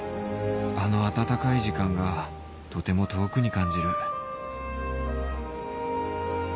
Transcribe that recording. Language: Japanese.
あの温かい時間がとても遠くに感じる